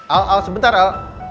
al al sebentar al